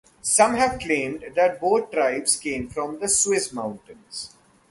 Some have claimed that both tribes came from the Swiss mountains.